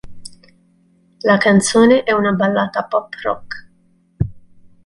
La canzone è una ballata pop rock.